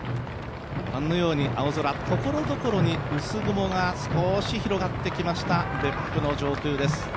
青空、ところどころに薄い雲が少し広がってきました、別府の上空です